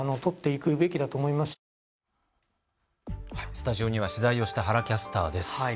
スタジオには取材をした原キャスターです。